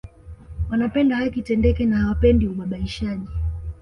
Wanapenda haki itendeke na hawapendi ubabaishaji